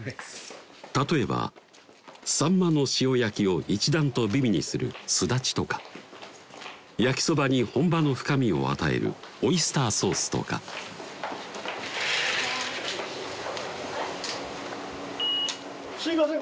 例えばさんまの塩焼きを一段と美味にするすだちとか焼きそばに本場の深みを与えるオイスターソースとかすいません！